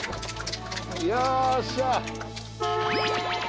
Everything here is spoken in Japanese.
よっしゃ。